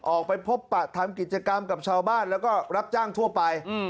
ออกไปพบปะทำกิจกรรมกับชาวบ้านแล้วก็รับจ้างทั่วไป